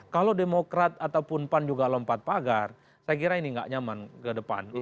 kalau demokrat ataupun pan juga lompat pagar saya kira ini nggak nyaman ke depan